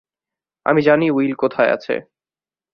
আমি জানি উইল কোথায় আছে।